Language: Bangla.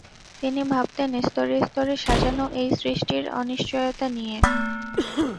তিনি ভাবতেন স্তরে স্তরে সাজানো এই সৃষ্টির অনিশ্চয়াতা নিয়ে।